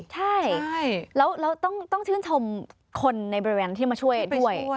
ใช่แล้วต้องชื่นชมคนในบริเวณที่มาช่วยด้วย